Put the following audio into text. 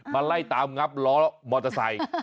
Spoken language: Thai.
ไล่ตามงับล้อมอเตอร์ไซค์